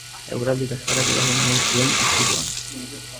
Eguraldi kaxkarrak eragin omen zuen istripuan.